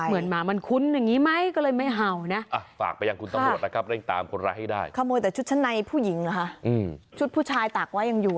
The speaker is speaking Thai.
เอออันนี้น่าสนใจ